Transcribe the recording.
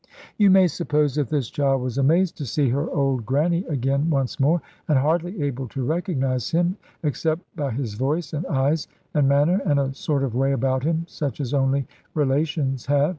You may suppose that this child was amazed to see her old Granny again once more, and hardly able to recognise him, except by his voice, and eyes, and manner, and a sort of way about him such as only relations have.